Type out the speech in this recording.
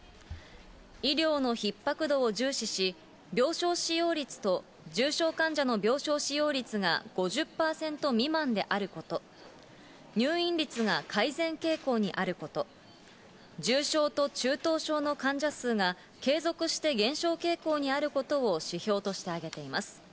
医療のひっ迫度を重視し、病床使用率と重症患者の病床使用率が５０％未満であること、入院率が改善傾向にあること、重症と中等症の患者数が継続して減少傾向にあることを指標として挙げています。